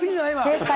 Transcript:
正解！